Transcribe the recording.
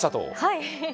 はい。